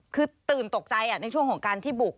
คือตื่นตกใจในช่วงของการที่บุก